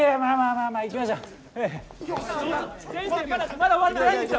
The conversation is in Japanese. まだ終わってないんですよ。